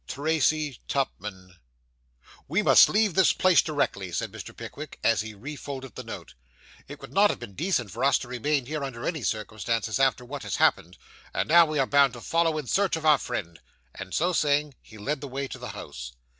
'TRACY TUPMAN.' 'We must leave this place directly,' said Mr. Pickwick, as he refolded the note. 'It would not have been decent for us to remain here, under any circumstances, after what has happened; and now we are bound to follow in search of our friend.' And so saying, he led the way to the house.